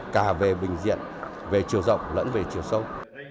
cả về bình diện về chiều rộng lẫn về chiều sâu